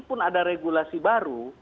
pun ada regulasi baru